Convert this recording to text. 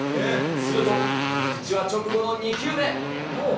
すると、菊池は直後の２球目。